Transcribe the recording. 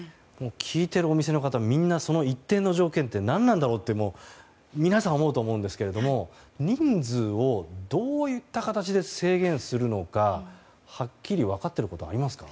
聞いているお店の方はその一定の条件って何なんだろうと皆さん思うと思うんですが人数をどういった形で制限するのかはっきり分かってることはありますか？